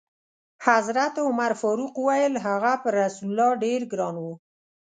حضرت عمر فاروق وویل: هغه پر رسول الله ډېر ګران و.